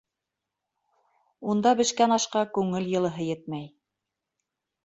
Унда бешкән ашҡа күңел йылыһы етмәй.